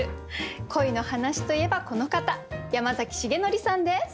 恋の話といえばこの方山崎樹範さんです。